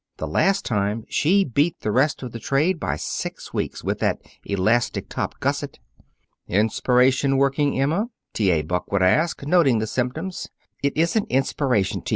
"The last time she beat the rest of the trade by six weeks with that elastic top gusset." "Inspiration working, Emma?" T. A. Buck would ask, noting the symptoms. "It isn't inspiration, T.